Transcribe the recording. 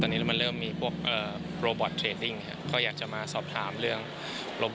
ในอนาคตเองก็ไม่รู้นะครับ